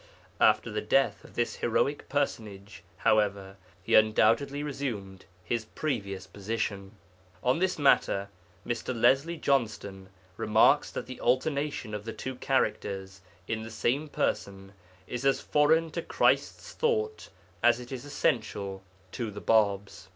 After the death of this heroic personage, however, he undoubtedly resumed his previous position. On this matter Mr. Leslie Johnston remarks that the alternation of the two characters in the same person is as foreign to Christ's thought as it is essential to the Bāb's.